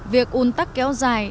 việc ủn tắc kéo dài